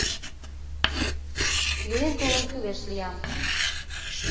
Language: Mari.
Илен-толын кӱлеш лиям